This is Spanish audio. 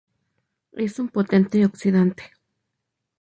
Es un potente oxidante.